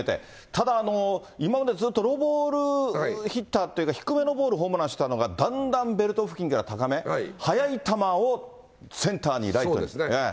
ただ、今までずっとローボールヒッターというか、低めのボールをホームランしたのが、だんだんベルト付近から高め、速い球をセンターに、ライトにってね。